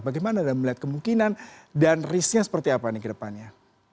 bagaimana anda melihat kemungkinan dan risknya seperti apa nih ke depannya